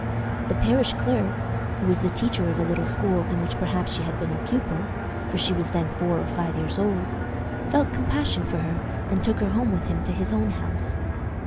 The parish clerk, who was the teacher of a little school in which perhaps she had been a pupil for she was then four or five years old felt compassion for her, and took her home with him to his own house.